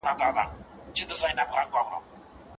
یوې ښځي وه د سر وېښته شکولي